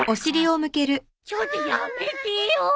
ちょっとやめてよ！